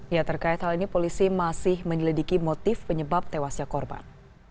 ya terkait hal ini polisi masih menyelidiki motif penyebab tewasnya korban